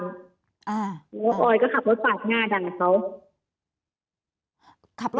แล้วออยก็ขับรถปาดหน้ากันกับเค้า